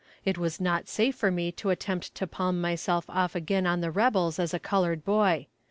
It was not safe for me to attempt to palm myself off again on the rebels as a colored boy.